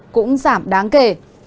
cũng giảm đáng kể